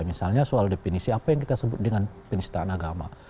misalnya soal definisi apa yang kita sebut dengan penistaan agama